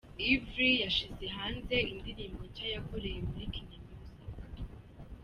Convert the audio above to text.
Yverry yashyize hanze indirimbo nshya yakoreye muri Kina Music.